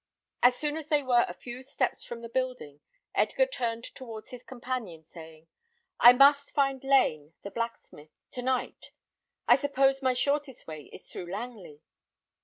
As soon as they were a few steps from the building, Edgar turned towards his companion, saying, "I must find Lane, the blacksmith, to night. I suppose, my shortest way is through Langley?"